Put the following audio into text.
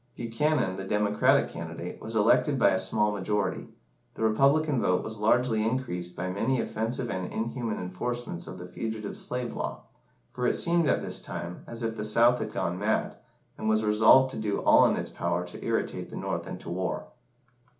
Buchanan, the Democratic candidate, was elected by a small majority. The Republican vote was largely increased by many offensive and inhuman enforcements of the fugitive slave law, for it seemed at this time as if the South had gone mad, and was resolved to do all in its power to irritate the North into war.